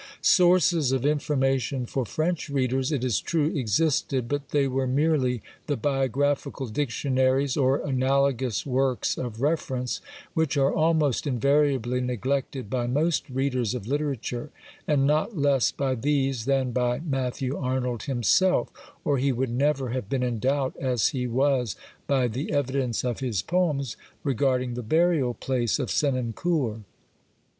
Sources of information for French readers, it is true, existed, but they were merely the biographical dictionaries or analogous works of refer ence, which are almost invariably neglected by most readers of literature, and not less by these than by Matthew Arnold himself, or he would never have been in doubt, as he was by the evidence of his poems, regarding the burial place of Senancour.